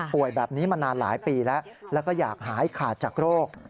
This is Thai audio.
แบบนี้มานานหลายปีแล้วแล้วก็อยากหายขาดจากโรค